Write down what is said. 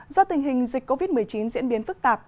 do tình hình dịch covid một mươi chín diễn biến phức tạp